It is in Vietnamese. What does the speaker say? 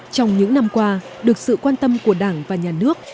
trong những năm qua được sự quan tâm của đảng và nhà nước